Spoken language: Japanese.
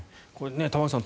玉川さん